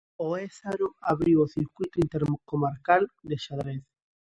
O Ézaro abriu o circuíto intercomarcal de xadrez.